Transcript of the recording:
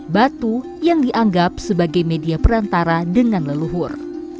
batu yang dianggap sebagai media perantara dengan leluhur